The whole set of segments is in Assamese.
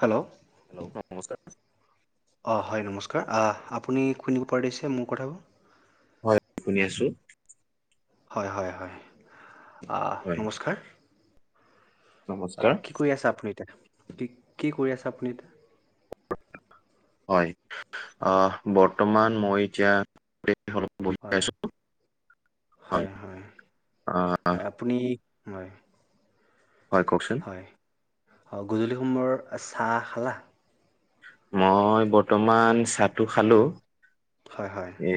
হেল্ল' হেল্ল' নমস্কাৰ অ হয় নমস্কাৰ আ আপুনি শুনিব পাৰিছে মোৰ কথাবোৰ। হয় শুনি আছো। হয় হয় হয় আ হয়। নমস্কাৰ। অ নমস্কাৰ। কি কৰি আছে আপুনি এতিয়া কি কি কৰি আছে আপুনি এতিয়া হয় অ বৰ্তমান মই এতিয়া। এই ক্ষন বহি হয় আছো হয় অ। হয় আপুনি হয়। হয় কওকচোন। হয় অ গধূলি সময়ৰ চাহ খালা। মই বৰ্তমান চাহটো খালোঁ। হয় হয়। এ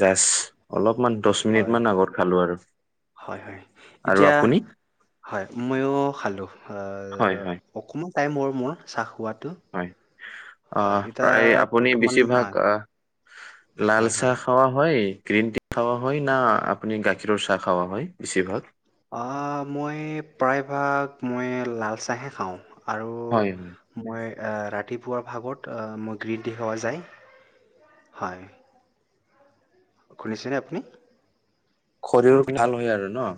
জাষ্ট অলপমান দহ মিনিট হয় মান আগত খালো আৰু। হয় হয় আৰু এতিয়া। আপুনি হয় মইয়ো খালো আহ হয় হয় অকমান টাইম হল মোৰ চাহ খোৱাটো হয় হয় আহ এতিয়া প্ৰায় আপুনি বৰ্তমান বেছিভাগ হয় আহ লাল হয় হয় চাহ। খোৱা হয় গ্ৰীণ টি খোৱা হয় না আপুনি গাখীৰৰ চাহ খোৱা হয় বেছিভাগ। অ', মই প্ৰায়ভাগ মই লাল চাহে খাওঁ, আৰু হয় হয় মই এ ৰাতিপুৱাৰ ভাগত মই গ্ৰীণ টি খোৱা যায়। হয়। শুনিছেনে আপুনি? শৰীৰ পিনে ভাল হয় আৰু ন?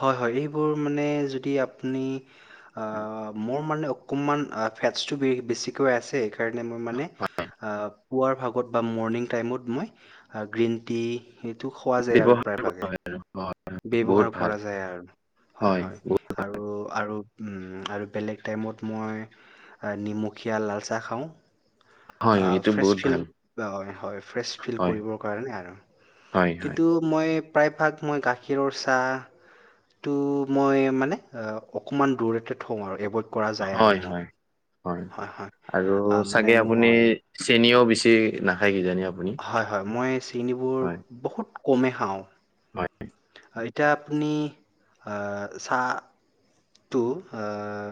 হয়, হয়, এইবোৰ মানে যদি আপুনি আ মোৰ মানে অকণমান ফেটছটো বেছিকৈ আছে। সেইকাৰণে মই মানে পুৱাৰ ভাগত বা মৰ্ণিং টাইমত মই গ্ৰীণ টি- হেইটো খোৱা যায় আৰু ব্যৱহাৰ প্ৰায়ভাগে। [unintelligible] ব্যৱহাৰ ভাল কৰা যায় আৰু। হয়, হয়। আৰু, আৰু, উম আৰু বেলেগ টাইমত মই এ নিমখীয়া লালচাহ খাওঁ। হয়, আ এইটো ফ্ৰে বহুত ফিল ভাল। অ', হয়, হয় ফ্ৰেছ ফিল হয়, কৰিবৰ কাৰণে আৰু হয়, হয়, কিন্তু মই প্ৰায়ভাগ মই গাখীৰৰ চাহ টো মই মানে অকণমান দূৰতে থওঁ আৰু এভইড কৰা যায় হয়, আৰু মোৰ। হয়, হয়, আৰু আহ, মানে চাগে আপুনি মোৰ চেনও বেছি নাখায় কিজানি আপুনি? হয়, হয়, মই চেনবোৰ হয়, বহুত কমেই খাওঁ। হয়। হয়, এতিয়া আপুনি আ চাহটো আ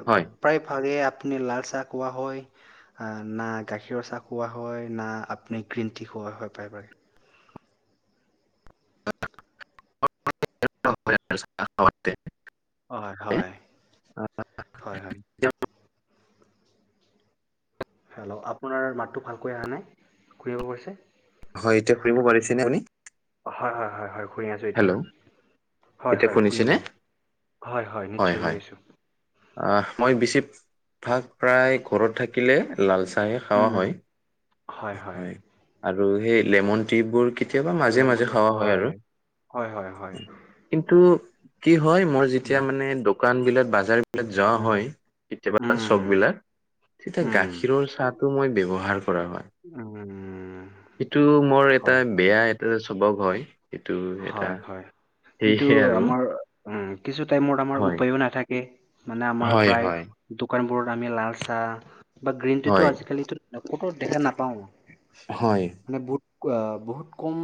হয়। প্ৰায়ভাগে আপুনি লালচাহ কোৱা হয় আ না গাখীৰৰ চাহ খোৱা হয়, না আপুনি গ্ৰীণ টি খোৱা হয় প্ৰায়ভাগে। [unintelligible] অ', হয়, হয়, আহ, হয়, হয়। এতিয়া হেল্ল'। আপোনাৰ মাতটো ভালকৈ আহা নাই [unintelligible] হয়, এতিয়া শুনিব পাৰিছে নে আপুনি? হয়, হয়, হয়, হয়। শুনি আছো এতিয়া। হেল্ল', হয়, এতিয়া হয়, শুনিছেনে? শুনিলোঁ। হয়, হয়, নিশ্চয় শুনি আছোঁ। অ', মই বেছিভাগ প্ৰায় ঘৰত থাক কিলে লালচাহে খোৱা উম হয়, হয়। আৰু সেই লেমন ট্ৰীবোৰ কেতিয়াবা মাজে মাজে খোৱা হয় আৰু। হয়, হয়, হয়, উম। কিন্তু কি হয়, মোৰ যেতিয়া মানে দোকানবিলাক, বাজাৰ বিলাক যোৱা উম হয়, কেতিয়াবা চপ্‌ উম বিলাক তেতিয়া উম গাখীৰৰ চাহটো মই ব্যৱহাৰ কৰা হয়। উম। এইটো মোৰ এটা হয় হয় বেয়া এটা স্বভাৱ হয়। সেইটো এটা হয়, হয়। কিন্তু সেয়েহে আৰু আমাৰ উম, কিছু টাইমত আমাৰ হয় উপায়ো নাথাক কে মানে, আমাৰ হয় প্ৰায় হয় দোকানবোৰত আমি লালচাহ বা হয় গ্ৰীণট্ৰীটো আজিকালিটো ক'তো দেখা নাপাওঁ। হয়। মানে বহুত আঁ বহুত কম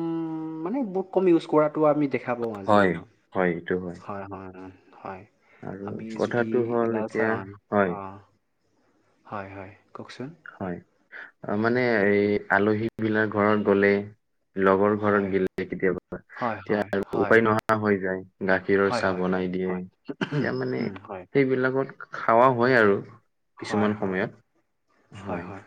মানে, বহুত কম ইউজ কৰাটো আমি দেখা পাওঁ আজিৰ হয় দিনত। হয়, এইটো হয়। হয়, হয়, উম, হয়। আৰু আমি যদি কথাটো হ'ল লালচাহ এতিয়া [unintelligible] হয় অ'। হয়, হয়, কওঁকচোন। হয়। অ', মানে হেৰি আলহীবিলাক ঘৰত গ'লে লগৰ ঘৰত হয় গিলে কেতিয়াবা। হয় তেতিয়া হয় আৰু হয় উপায় নোহোৱা হৈ যায়। গাখীৰৰ হয় চাহ হয় হয় বনাই দিয়ে। হয় তিয়া মানে, উম হয় সেইবিলাকত খাওৱা হয় আৰু হয় কিছুমান হয় সময়ত। হয়, হয়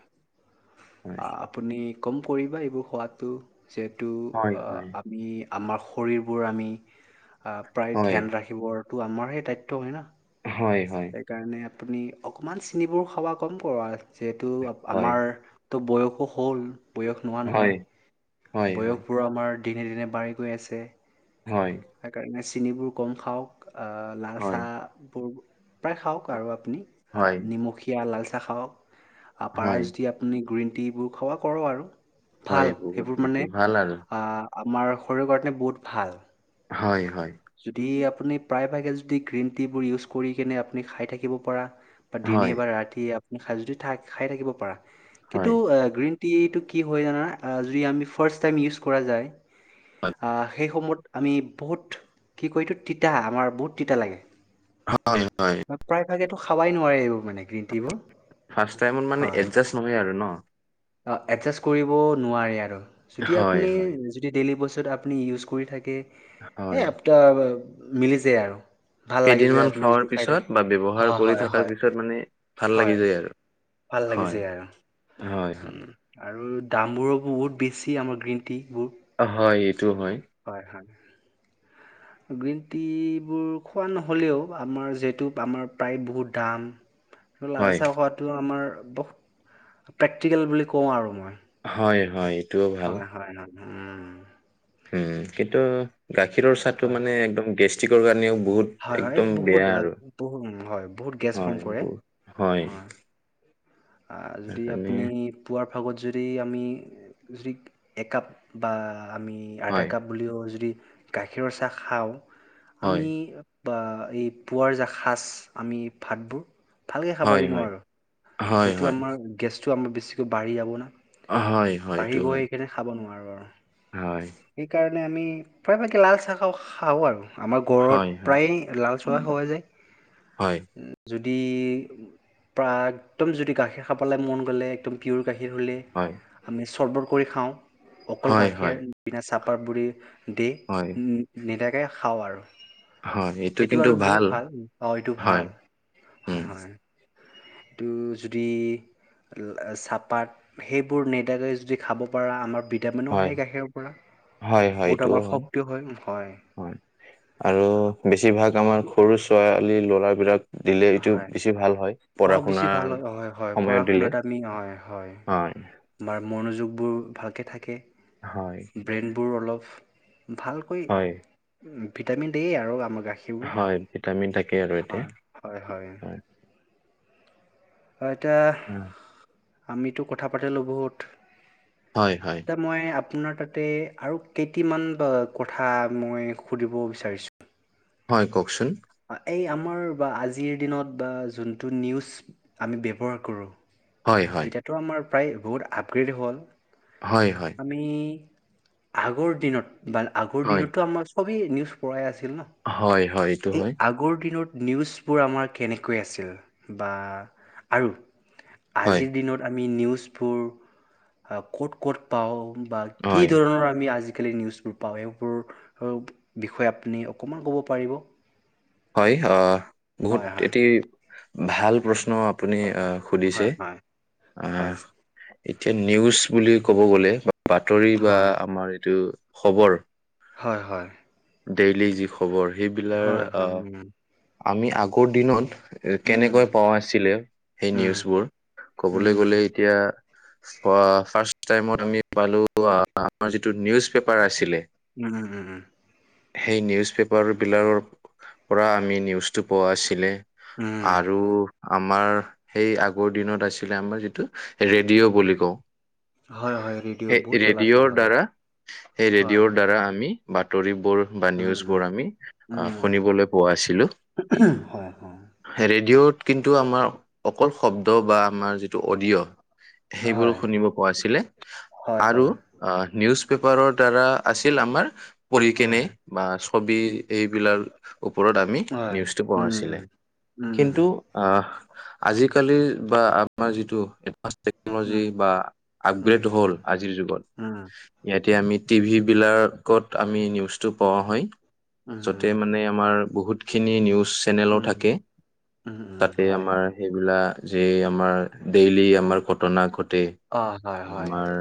হয় আপুনি কম কৰিবা এইবোৰ খোৱাটো। যিহেতু হয় আ--আমি, আমাৰ শৰীৰবোৰ আমি আঁ প্ৰায় হয় ধ্যানৰাখিবৰটো আমাৰহেই দায়িত্ব হয় না? হয়, হয়। সেই কাৰণে আপুনি অকমান চিনিবোৰ খাওৱা কম কৰোৱা। যিহেতু হয় আমাৰ টো বয়সো হ'ল, বয়স নোহোৱা হয় নহয়। হয় বয়সবোৰ আমাৰ দিনে দিনে বাঢ়ি গৈ আছে। হয়। সেইকাৰণে চিনিবোৰ কম খাওক আঁ হয় লালচাহ বোৰ প্ৰায় খাওক আৰু আপুনি, আ হয় নিমখীয়া লালচাহ খাওক, আ পাৰা হয় যদি আপ্‌ পুনি গ্ৰীণট্ৰীবোৰ খাওৱা কৰ আৰু ভাল হয় বহুত সেইবোৰ এইটো মানে, ভাল আৰু আঁ আমাৰ শৰীৰৰ কাৰণে বহুত ভাল। হয়, হয়। যদি আপুনি প্ৰায়ভাগে যদি গ্ৰীণট্ৰীবোৰ ইউছ কৰিকিনে আপুনি খাই থাকিব পাৰা। বা দিনে হয় এবাৰ ৰাতি এব্‌- আপুনি খাই যদি খাই খাই থাকিব পাৰা। হয় হয় কিন্তু আ গ্ৰীণ ট্ৰীটো কি হয় জানা? আঁ যদি আমি ফাৰ্ষ্ট টাইম ইউছ কৰা যায়। আঁ সেই সমত আমি বহুত কি কয় এইটো? তিতা আমাৰ বহুত তিতা লাগে। হয়, হয়। বা প্ৰায় ভাগেটো এইটো খাবাই নোৱাৰে এইবোৰ মানে। গ্ৰীণ টিবোৰ ৰ্ফাষ্ট টাইমত মানে হয় এড্‌জাষ্ট নহয় আৰু ন'? অ এড্‌জাষ্ট কৰিব নোৱাৰে আৰু, যদি হয় আপুনি হয় যি টি ডেইলি বস্তুত এটা আপুনি ইউজ কৰি থাকে। হে হয় আপটা মিলি যায় আৰু। ভাল লাগি যায় কেইদিনমান আপুনি খোৱাৰ যদি খাই পিছত থাকে। বা ব্যৱহাৰ হ কৰি হয় থকাৰ হয়, পিছত মানে ভাল লাগি হয়। যায় আৰু ভাল লাগি হয় যায় আৰু। হয়। হয় উম আৰু দামবোৰো বহুত বেছি আমাৰ গ্ৰীণ টিবোৰ। হয় এইটো হয়। হয় হয়। গ্ৰীণ টিবোৰ খোৱা নহ'লেও, আমাৰ যিহেতু আমাৰ প্ৰায় বহুত দাম। লাল হয় চাহ খোৱাটো আমাৰ বহ প্ৰেক্টিকেল বুলি কওঁ আৰু মই। হয় হয়। এইটোও ভাল। হয় হয় হয় উম উম কিন্তু গাখীৰৰ চাহটো হয় মানে একদম গেষ্ট্ৰিকৰ কাৰণেও বহুত হয়, হয়। এই একদম বহুত বেয়া আ আৰু, বহু হয়, বহুত গেছ ফৰ্ম হয় কৰে। বহুত হয়। আ যদি সেইকাৰণে আপুনি পুৱাৰ ভাগত যদি আমি যদি একাপ বা আমি আধা হয়, কাপ, বুলিও যদি গাখীৰৰ চাহ খাওঁ হয়, আমি। বা এই পোৱাৰ যা খাছ আমি ভাতবোৰ ভালকে হয়, খাবই হয়, নোৱাৰোঁ। হয়, সেইটো হয়, আমাৰ গেছটো আমাৰ বেছিকৈ বাঢ়ি যাব ন হয়, হয়, বাঢ়ি এইটো হয়, গৈ কিনে। খাব নোৱাৰোঁ আৰু, হয়। সেইকাৰণে আমি প্ৰায়ভাগে লাল চাহ খা- খাওঁ আৰু আমাৰ হয়, গৰত হয়, প্ৰায়ে লাল চোৱা খোৱা হয়, যায়। যদি প্ৰায় একদম যদি গাখীৰ খাবলৈ মন গ'লে একদম পিঅৰ গাখীৰ হ'লে হয়। আমি চৰ্বত কৰি খাওঁ, অকল হয়, হয়, গাখীৰ বিনা চাহপাত বুলি দি। হয়। উম, নিদাকে খাওঁ আৰু। এইটো আৰু বহুত ভাল। অ', এইটো হয়, ভাল। হয়, উম, হয়। তু যদি ল চাহপাত, সেইবোৰ নিদাকৈ যদি খাব পৰা আমাৰ ভিটামিনো হয়, আহেই গাখীৰৰ পৰা, হয়, হয়, বহুত এইটোও আমাৰ হয়, শক্তি হয়, হয়। হয়, আৰু বেছিভাগ আমাৰ সৰু ছোৱালী ল'ৰাবিলাক দিলে এইটো হয় বেছি ভাল হয়, পঢ়া অঁ বেছি ভাল শুনাৰ হয় হয় হয় সময়ত পঢ়া দিলে শুনাত আমি হয় হয় হয়। আমাৰ মনোযোগবোৰ ভালকে থাকে। হয়। ব্ৰেইনবোৰ অলপ ভালকৈ হয়, ভিটামিন দেই আৰু আমাৰ গাখীৰ হয়, ভিটামিন থাকে আৰু ইয়াতে। হয়, হয়। হয়, এতিয়া আহ, আমিতো কথা পাতিলোঁ বহুত। হয়, হয়। এতিয়া মই আপোনাৰ তাতে আৰু কেইটিমান কথা মই সুধিব বিচাৰিছোঁ। হয়, কওঁকচোন! এই আমাৰ বা আজিৰ দিনত বা যোনটো নিউজ আমি ব্যৱহাৰ কৰোঁ। হয়, হয়। ত' আমাৰ প্ৰায় বহুত আপগ্ৰেড হ'ল। হয়, হয়। আমি আগৰ দিনত বা আগৰ হয়, দিনতো আমাৰ চবেই নিউজ পঢ়া ই আছিল ন। হয়, হয় এইটো এই হয়। আগৰ দিনত নিউজবোৰ আমাৰ কেনেকৈ আছিল বা আৰু হয়, আজিৰ দিনত আমি নিউজবোৰ ক'ত, ক'ত পাওঁ। বা কি হয়, ধৰণৰ আমি আজিকালি নিউজবোৰ পাওঁ, এইবোৰ ও‌ বিষয়ে আপুনি অকণমান ক'ব পাৰিব! হয়, অ', বহুত হয় হয় এটি ভাল প্ৰশ্ন আপুনি অ' সুধিছে। হয় আহ হয় এতিয়া নিউজ বুলি ক'ব গ'লে বাতৰি বা হয় আমাৰ এইটো খবৰ হয়, হয়। ডেইলি যি খবৰ সেইবিলাক হয় হয় আহ হয় আমি আগৰ দিনত এ, উম উম কেনেকৈ পাওঁ আছিলে সেই উম নিউজবোৰ ক'বলৈ উম গ'লে এতিয়া ফাৰ্ষ্ট টাইমত আমি পালোঁ, আমাৰ যিটো নিউজ পেপাৰ আছিলে উম, উম। সেই নিউজ পেপাৰবিলাকৰ পৰা, আমি নিউজটো পোৱা আছিলে। উম আৰু আমাৰ সেই আগৰ দিনত আছিলে আমাৰ যিটো ৰেডিঅ' বুলি কওঁ। হয় হয় ৰেডিঅ' সেই বহুত চলাইছে ৰেডিঅ'ৰ হয় দ্বাৰা, সেই হয় ৰেডিঅ'ৰ দ্বাৰা আমি বাতৰি বোৰ বা উম নিউজ বোৰ উম আমি উম উম শুনিবলৈ পোৱা আছিলো উম হয় হয় ৰেডিঅ'ত কিন্তু আমাৰ অকল শব্দ বা আমাৰ যিটো অডিঅ' সেইবোৰ হয় শুনিব পোৱা আছিলে হয়, আৰু হয়, অ নিউজ পেপাৰৰ দ্বাৰা আছিল আমাৰ পঢ়ি কেনে হয়, বা ছবি এইবিলাক ওপৰত আমি হয়, নিউজটো পোৱা উম, আছিলে উম, উম, কিন্তু আহ আজিকালি বা আমাৰ যিটো টেকনলজি উম, বা উম, আপগ্ৰেড হ'ল আজিৰ যুগত উম, ইয়াতে আমি টি ভি বিলাকত আমি নিউজটো পোৱা হয় উম, যতে মানে আমাৰ বহুত খিনি নিউজ চেনেলো উম, থাকে উম, উম, তাতে হয়, আমাৰ সেইবিলাক যে আমাৰ ডেইলি আমাৰ ঘটনা ঘটে অ', হয়, হয়, আমাৰ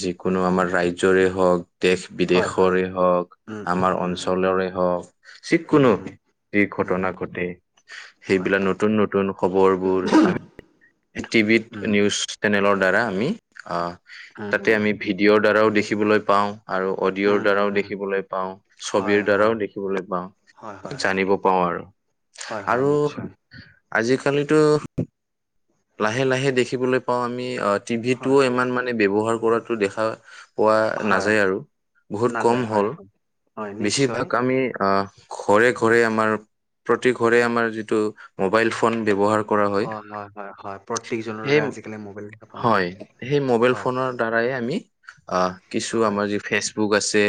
যিকোনো আমাৰ ৰাজ্যৰে হওক দেশ হয়, হয়, বিদেশৰে হওক উম, উম, আমাৰ উম, অঞ্চলৰে হওক যি উম, কোনো উম, যি উম, ঘটনা ঘটে হয়, সেইবিলাক নতুন নতুন খবৰবোৰ আমি টি ভিত উম, নিউজ নিউজ চেনেলৰ দ্বাৰা আমি আহ উম, তাতে উম, আমি ভিডিঅৰ দ্বাৰাও দেখিবলৈ পাওঁ আৰু অডিঅ'ৰ উম, দ্বাৰাও উম, দেখিবলৈ পাওঁ ছবিৰ হয়, হয়, দ্বাৰাও দেখিবলৈ পাওঁ হয়, হয়, হয়, জানিব পাও আৰু হয়, হয়, আৰু নিশ্চয়, আজিকালিতো লাহে লাহে দেখিবলৈ পাও আমি টিভি হয়, টোও ইমান মানে ব্যৱহাৰ কৰাটো দেখা পোৱা হয়, নাযায় আৰু বহুত কম নাযায়, হয়, হ'ল হয়, হয়, নিশ্চয়, বেছিভাগ আমি আহ ঘৰে ঘৰে আমাৰ প্ৰতি ঘৰে আমাৰ যিটো মোবাইল ফোন ব্যৱহাৰ অ হয় হয় হয় প্ৰত্যেকজনৰ সেই আজিকালি মবাইল দেখ পাওঁ হয় সেই মোবাইল হয় ফোনৰ দ্বাৰাই আমি আহ কিছু হয়, হয়, আমাৰ যি ফেচবুক আছে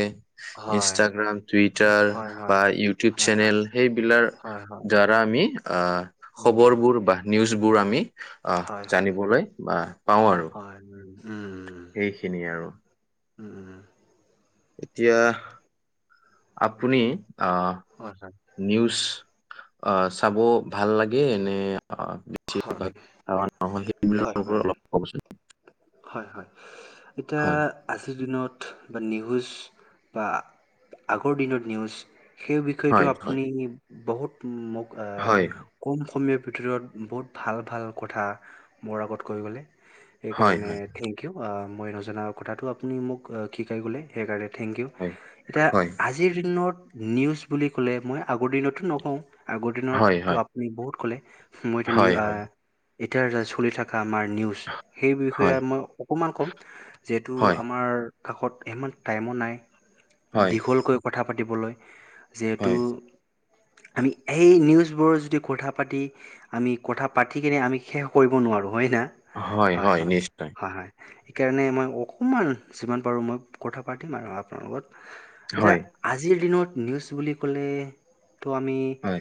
হয়, ইনষ্টাগ্ৰাম টুইটাৰ হয়, হয়, বা হয়, ইউটিউব হয়, চেনেল সেইবিলাক হয়, হয় দ্বাৰা আমি আহ খবৰ বোৰ বা নিউজবোৰ আমি আহ জানিবলৈ বা পাওঁ আৰু এইখিনিয়ে আৰু উম এতিয়া আপুনি আহ [unintelligible] নিউজ আ চাব ভাল লাগে নে অ বেছ ভাগ খ হয় [unintelligible] সেইবিলাক হয়। অলপ কবচোন হয় হয় এতিয়া হয় আজিৰ দিনত নিউজ বা আগৰ দিনত নিউজ সেই বিষয়টো হয় আপুনি হয় বহুত মোক হয় কম সময়ৰ ভিতৰত বহুত ভাল ভাল কথা মোৰ আগত কৈ গ'লে হয় সেইকাৰণে থেংক ইউ অহ মই নজনা কথাটো আপুনি মোক শিকাই গ'লে সেইকাৰণে থেংক ইউ হয় এতিয়া হয় আজিৰ দিনত নিউজ বুলি ক'লে মই আগৰ দিনতো নকওঁ আগৰ দিনত হয় হয় বহুত কলে--মই এতিয়া নিউ হয় হয় আহ এতিয়া চলি থকা আমাৰ নিউজ সেই বিষয়ে হয় হয় মই অকণমান ক'ম যিহেতু হয় আমাৰ কাষত ইমান টাইমো নাই হয় দীঘলকৈ কথা পাতিবলৈ যিহেতু হয় আমি এই নিউজবোৰ যদি কথা পাতি আমি কথা পাতি কিনে আমি শেষ কৰিব নোৱাৰো, হয় না হয় হয় হয় হয়। সেইকাৰণে মই অকণমান যিমান পাৰো মই কথা পাতিম আৰু আপোনাৰ লগত এতিয়া হয় আজিৰ দিনত নিউজ বুলি ক'লে তো আমি হয়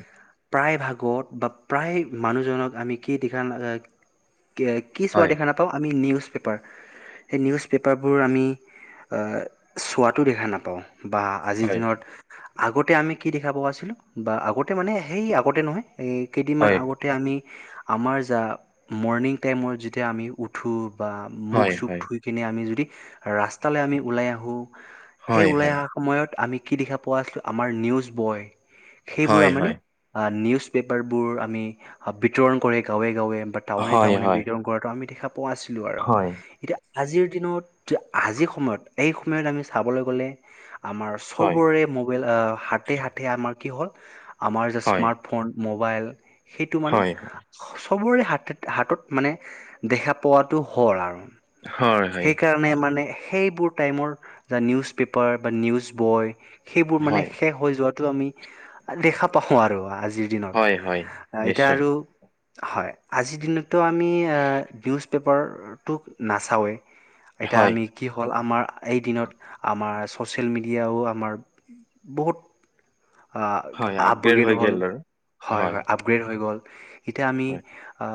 প্ৰায়ভাগত বা প্ৰায় মানুহজনক আমি কি দিখা নাযায় [inaudible] কি চোৱা হয় দেখা নাপাওঁ আমি নিউজ পেপাৰ। সেই নিউজ পেপাৰবোৰ আমি আ চোৱাতো দেখা নাপাওঁ। বা আজিৰ হয় দিনত। আগতে আমি কি দেখা পোৱা আছিলো, বা আগতে মানে সেই আগতে নহয় এ কেইদিনমান হয় আগত আমি আমাৰ যা মৰ্ণিং টাইমত যেতিয়া আমি থো বা মুখ হয় চুখ হয় ধুই কিনে আমি যদি ৰাস্তালৈ আমি ওলাই আহোঁ সেই হয় ওলাই হয় অহা সময়ত আমি কি দেখা পোৱা আছিলো আমাৰ নিউজ বয় সেইবোৰ হয় মানে হয় আ নিউজ পেপাৰবোৰ আমি বিতৰণ কৰে গাঁৱে গাঁৱে বাত টাউনে হয় টাউনে হয় বিতৰণ কৰাটো আমি দেখা পোৱা নছিলোঁ আৰু হয় হয় হয় এতিয়া আজিৰ দিনত আজিৰ সময়ত এই সময়ত আমি চাবলৈ গ'লে আমাৰ চবৰে মোবাইল হাতে হাতে আমাৰ কি হ'ল আমাৰ যে স্মাৰ্ট ফোন ম'বাইল এইটো মানে হয় চবৰে হাত হাতত মানে দেখা পোৱাাতটো হৰ আৰ। হয় হয়। মানে মানে সেইবোৰ টাইমৰ য নিউজ পেপাৰ বা নিউজ বয় সেইবোৰ মানে হয় শেষ হৈ যোৱাাতটো। আমি দেখা পাওঁ আৰু আজিৰ দিনত। হয়, হয়। এতিয়া নিশ্চয়। আৰু হয়, আজিৰ দিনতো আমি আ নিউজ পেপাৰটো নাচাওঁৱেই। এতিয়া হয়, আমি কি হ'ল আমাৰ এই দিনত আমাৰ ছ'চিয়েল মিডিয়াও আমাৰ বহুত অ হয় আপগ্ৰেড আবুগেত হৈ হ'ল, গ'ল আৰু। হয় হয় আপ আপগ্ৰেড হৈ গ'ল, এতিয়া আমি হয়। আ